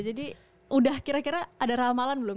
jadi udah kira kira ada ramalan belum